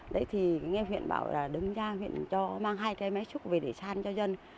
đấy thì anh nghe huyện bảo là đứng ra huyện cho mang hai cái máy xúc về để san cho dân